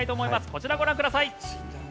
こちら、ご覧ください。